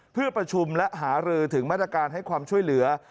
เพื่อประชุมและหารือถึงมาตรการให้ความช่วยเหลือ